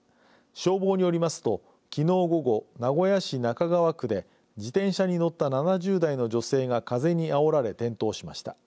消防によりますと、きのう午後名古屋市中川区で自転車に乗った７０代の女性が風にあおられ、転倒しました。